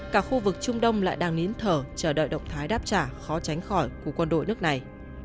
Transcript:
cả khu vực trung đông lại đang nến thờ chờ đợi động thái đáp trả khó tránh khỏi của quân đội nước này